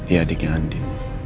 ya adiknya andi